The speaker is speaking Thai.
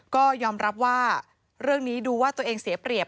ก็ยอมรับว่าเรื่องนี้ดูว่าตัวเองเสียเปรียบ